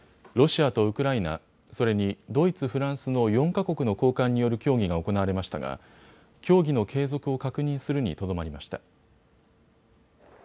ロシアとウクライナ、それにドイツ、フランスの４か国の高官による協議が行われましたが協議の継続を確認するにとどまりました。